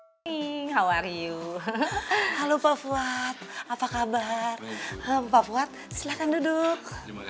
ingin how are you halo pak fuad apa kabar empat buat silakan duduk